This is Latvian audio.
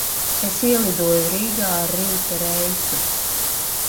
Es ielidoju Rīgā ar rīta reisu.